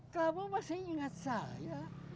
kamu masih ingat saya